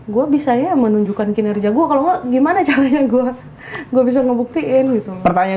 gua bisa ya menunjukkan kinerja gua kalau gimana caranya gua gua bisa ngebuktiin gitu pertanyaan